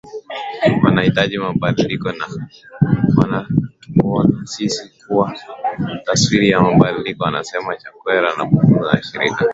Wanahitaji mabadiliko na wanatuona sisi kuwa taswira ya mabadiliko amesema Chakwera alipozungumza na shirika